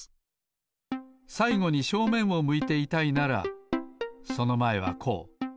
さいごに正面を向いていたいならそのまえはこう。